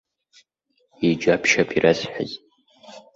Иџьабшьап ирасҳәаз.